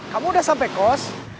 kamu udah sampe kos